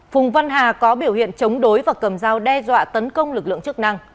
phùng văn hà có biểu hiện chống đối và cầm dao đe dọa tấn công lực lượng chức năng